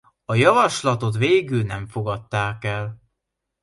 A javaslatot végül nem fogadták el.